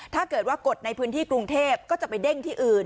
ถ้าเกิดว่ากดในพื้นที่กรุงเทพก็จะไปเด้งที่อื่น